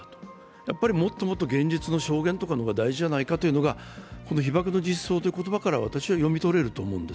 やはりもっともっと現実の証言の方が大事じゃないかというのが被爆の実相という言葉からは私は読み取れると思うんです。